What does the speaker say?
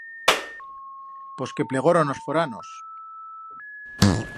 Pos que plegoron os foranos.